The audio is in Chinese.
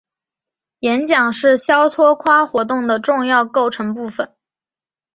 演讲是肖托夸活动的重要构成部分。